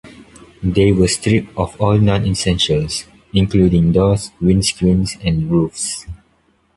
They were stripped of all non-essentials, including doors, windscreens and roofs.